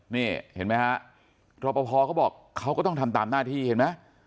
นี่เห็นไหมฮะรอปภเขาบอกเขาก็ต้องทำตามหน้าที่เห็นไหม